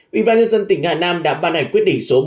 ủy ban nhân dân tỉnh hà nam đã ban hành quyết định